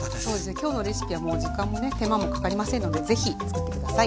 今日のレシピはもう時間もね手間もかかりませんので是非つくって下さい。